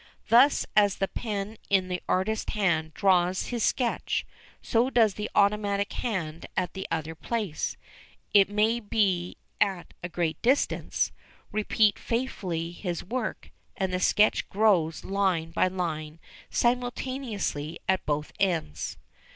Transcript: Thus as the pen in the artist's hand draws his sketch, so does the automatic hand at the other place, it may be at a great distance, repeat faithfully his work, and the sketch grows line by line simultaneously at both ends.